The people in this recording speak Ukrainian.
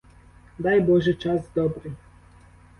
Дай боже, час добрий!